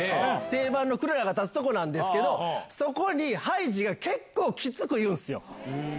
定番のクララが立つとこですけどそこにハイジが結構きつく言うんすよ。